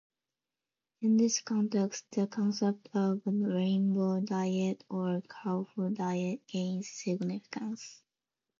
In this context, the concept of a rainbow diet or colorful diet gains significance.